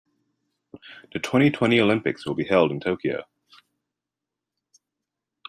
The twenty-twenty Olympics will be held in Tokyo.